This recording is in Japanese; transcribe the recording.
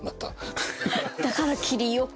だから切り良く。